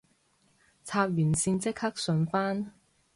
插完線即刻順返